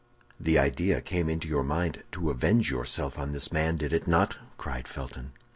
"The idea came into your mind to avenge yourself on this man, did it not?" cried Felton.